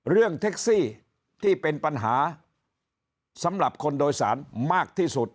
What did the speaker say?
เรื่องแท็กซี่ที่เป็นปัญหาสำหรับคนโดยสารมากที่สุด